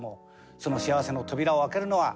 その幸せの扉を開けるのはあなたです。